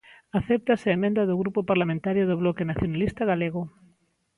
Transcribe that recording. Acéptase a emenda do Grupo Parlamentario do Bloque Nacionalista Galego.